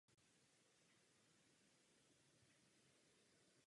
V týmu ho nahradil Petr Melichar.